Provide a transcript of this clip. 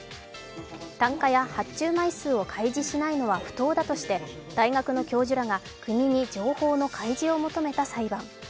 単価や発注枚数を開示しないのは不当だとして、大学の教授らが国に情報の開示を求めた裁判。